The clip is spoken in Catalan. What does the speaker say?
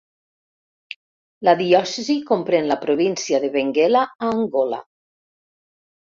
La diòcesi comprèn la província de Benguela a Angola.